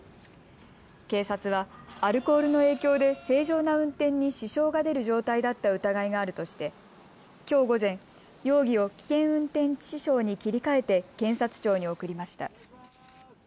警察はアルコールの影響で正常な運転に支障が出る状態だった疑いがあるとしてきょう午前、容疑を危険運転致死傷に切り替えて検察庁に送りました。